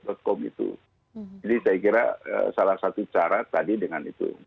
jadi saya kira salah satu cara tadi dengan itu